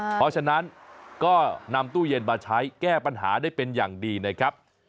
เพราะฉะนั้นก็นำตู้เย็นมาใช้แก้ปัญหาได้เป็นอย่างดีนะครับ